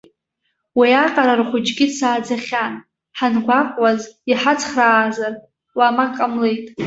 Уиаҟара рхәыҷгьы дсааӡахьан, ҳангәаҟуаз иҳацхраазар, уамак ҟамлеит.